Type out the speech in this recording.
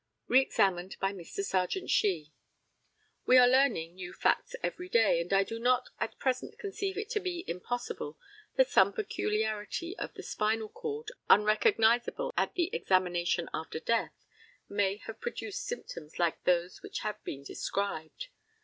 Re examined by Mr. Serjeant SHEE: We are learning new facts every day, and I do not at present conceive it to be impossible that some peculiarity of the spinal cord, unrecognizable at the examination after death, may have produced symptoms like those which have been described.